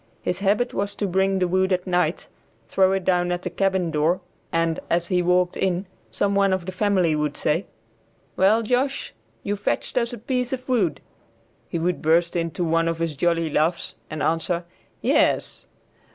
His habit was to bring the wood at night, throw it down at the cabin door, and, as he walked in, some one of the family would say, "Well, Josh, you fetched us a piece of wood." He would burst into one of his jolly laughs and answer, "Yes."